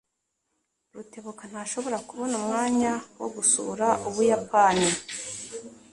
Rutebuka ntashobora kubona umwanya wo gusura Ubuyapani.